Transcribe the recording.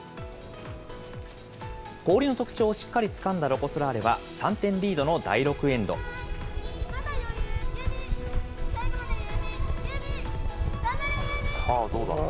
氷の特徴をしっかりつかんだロコ・ソラーレは、３点リードの第６さあ、どうだ。